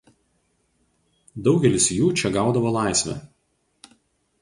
Daugelis jų čia gaudavo laisvę.